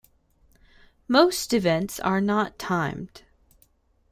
Most events are not timed.